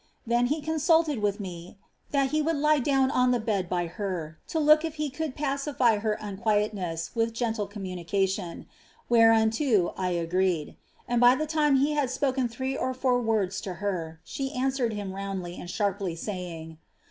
Then he coii«ulted with me ^ that he would lie down on ^e bed by heri, to look if he could pacify her unquietness with gentle commn BBcation,' wherennto I agreed ; and by the time that he had spoken three or four words to her she answered him roundly and sharply, saying.